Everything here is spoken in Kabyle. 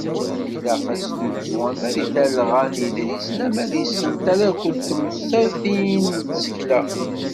Ilaq asnulfu ama deg talɣa n yiḍrisen ama deg yisental akked tewsatin n tsekla.